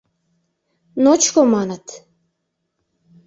Ночко, маныт.